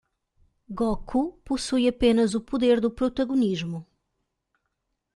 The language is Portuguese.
Goku possui apenas o poder do protagonismo.